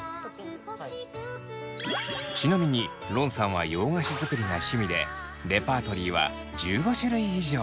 ちなみにロンさんは洋菓子作りが趣味でレパートリーは１５種類以上。